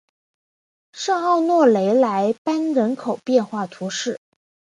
圣奥诺雷莱班人口变化图示